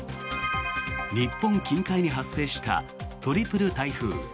日本近海に発生したトリプル台風。